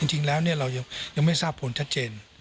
จริงแล้วเรายังไม่ทราบผลชัดเจน